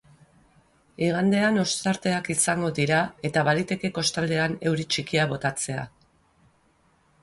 Igandean ostarteak izango dira eta baliteke kostaldean euri txikia botatzea.